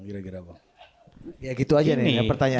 ya gitu aja nih pertanyaan